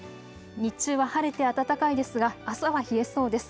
日中は晴れて暖かいですが朝は冷えそうです。